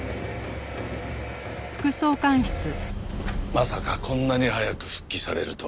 まさかこんなに早く復帰されるとは。